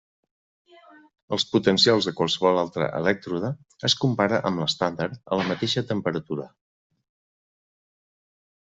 Els potencials de qualsevol altre elèctrode es compara amb l'estàndard a la mateixa temperatura.